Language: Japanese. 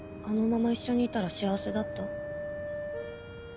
あのまま一緒にいたら幸せだった？